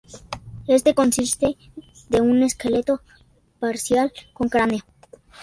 Este consiste de un esqueleto parcial con cráneo.